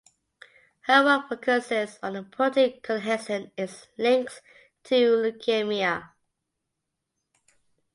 Her work focusses on the protein Cohesin and its links to leukaemia.